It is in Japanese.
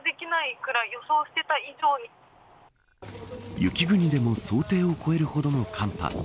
雪国でも想定を超えるほどの寒波。